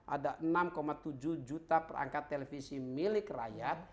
ada enam tujuh juta perangkat televisi milik rakyat